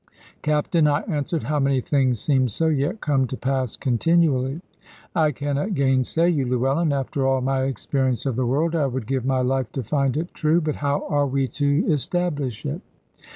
"Captain," I answered; "how many things seem so, yet come to pass continually!" "I cannot gainsay you, Llewellyn, after all my experience of the world. I would give my life to find it true. But how are we to establish it?"